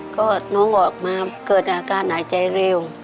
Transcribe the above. ก็น้องออกมาเกิดอาการหายใจเร็ว